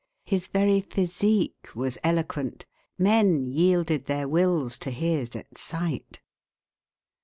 His very physique was eloquent. Men yielded their wills to his at sight.